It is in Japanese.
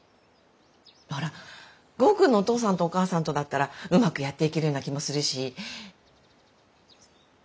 剛くんのお父さんとお母さんとだったらうまくやっていけるような気もするし。